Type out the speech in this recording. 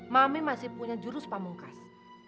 mami masih punya jurus pamungkas